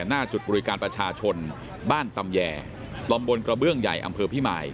หน้าจุดบริการประชาชนบ้านตำแยตำบลกระเบื้องใหญ่อำเภอพิมาย